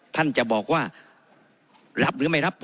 ท่านจะบอกว่ารับหรือไม่รับ